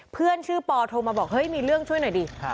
เพื่อนชื่อปอโทรมาบอกเฮ้ยมีเรื่องช่วยหน่อยดิ